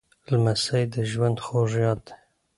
لمسی د ژوند خوږ یاد دی.